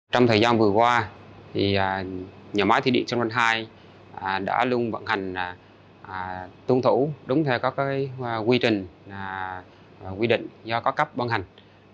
trong thời gian vừa qua nhà máy thủy điện sông chanh hai đã luôn vận hành tuân thủ đúng theo các quy trình và quy định do các cấp vận hành